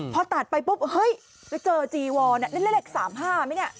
พอตัดไปปุ๊บเฮ้ยแล้วเจอจีวัลเลข๓๕มั้ยเนี่ย